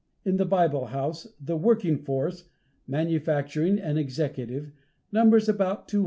In the Bible House, the working force manufacturing and executive numbers about 250.